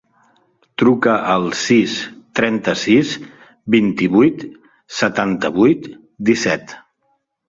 Truca al sis, trenta-sis, vint-i-vuit, setanta-vuit, disset.